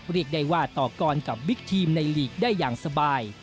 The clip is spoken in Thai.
เรียกได้ว่าต่อกรกับบิ๊กทีมในลีกได้อย่างสบาย